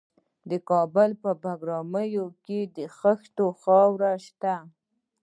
د کابل په بګرامي کې د خښتو خاوره شته.